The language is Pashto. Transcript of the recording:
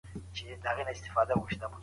که په ټولنه کي زغم وي، سوله به راسي.